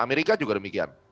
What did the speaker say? amerika juga demikian